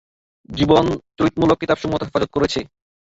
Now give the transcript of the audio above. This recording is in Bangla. জীবন চরিতমূলত কিতাবসমূহ তা হেফাজত করেছে।